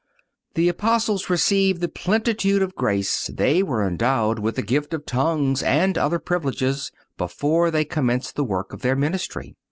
The Apostles received the plenitude of grace; they were endowed with the gift of tongue and other privileges(217) before they commenced the work of the ministry.